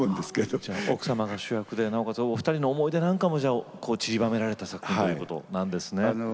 じゃあ奥様が主役でなおかつお二人の思い出なんかもちりばめられた作品ということなんですね。